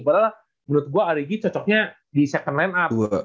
padahal menurut gue arigi cocoknya di second line up